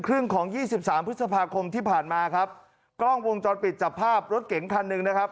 ครึ่งของยี่สิบสามพฤษภาคมที่ผ่านมาครับกล้องวงจรปิดจับภาพรถเก๋งคันหนึ่งนะครับ